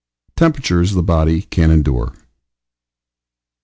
TEMPERATURES THE BODY CAN ENDURE.